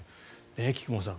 菊間さん